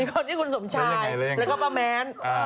อีกคนคือคุณสมชายแล้วก็ป้าแม้น